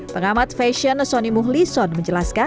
pengamat fashion sonny muhlison menjelaskan